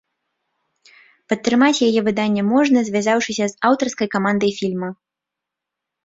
Падтрымаць яе выданне можна, звязаўшыся з аўтарскай камандай фільма.